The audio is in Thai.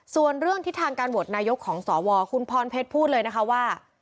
ส่วนเรื่องทิศทางการโหวตนายกของสวคุณพรเพชรพูดเลยนะคะว่า